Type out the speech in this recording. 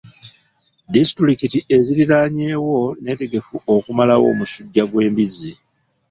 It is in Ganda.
Disitulikiti eziriraanyewo neetegefu okumalawo omusujja gw'embizzi.